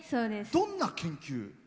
どんな研究？